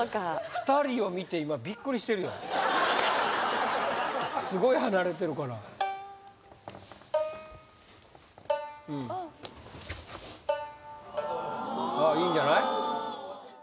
２人を見て今びっくりしてるよすごい離れてるからうんあっいいんじゃない？